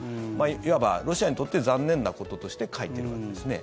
いわばロシアにとって残念なこととして書いてるわけですね。